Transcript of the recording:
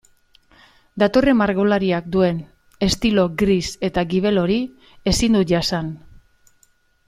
Datorren margolariak duen estilo gris eta gibel hori ezin dut jasan.